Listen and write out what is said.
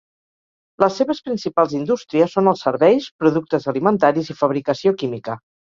Les seves principals indústries són els serveis, productes alimentaris i fabricació química.